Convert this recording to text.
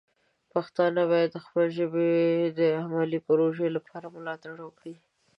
پښتانه باید د خپلې ژبې د علمي پروژو لپاره مالتړ وکړي.